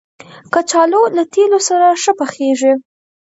کچالو له تېلو سره ښه پخېږي